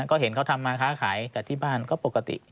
ก็เห็นเขาทำมาค้าขายแต่ที่บ้านก็ปกติ